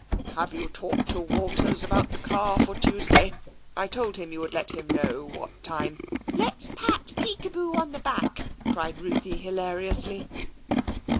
Have you talked to Walters about the car for Tuesday ? I told him you would let him know what time " "Let's pat Peekaboo on the back," cried Ruthie hilariously.